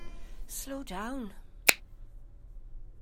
Slow down!